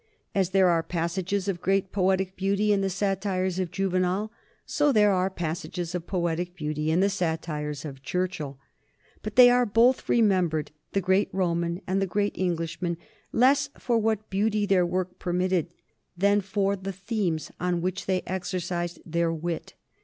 As there are passages of great poetic beauty in the satires of Juvenal, so there are passages of poetic beauty in the satires of Churchill. But they are both remembered, the great Roman and the great Englishman, less for what beauty their work permitted than for the themes on which they exercised their wit.